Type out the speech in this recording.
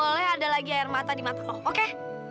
boleh ada lagi air mata di mata lo oke